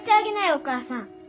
お母さん。